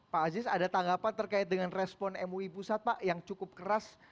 pak aziz ada tanggapan terkait dengan respon mui pusat pak yang cukup keras